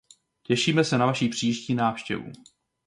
Těšíme se na vaši příští návštěvu.